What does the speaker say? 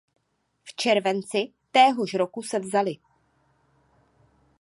V červenci téhož roku se vzali.